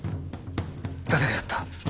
誰がやった？